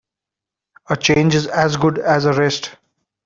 A change is as good as a rest.